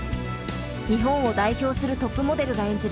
日本を代表するトップモデルが演じる